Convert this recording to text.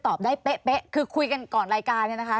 ตอบได้เป๊ะคือคุยกันก่อนรายการเนี่ยนะคะ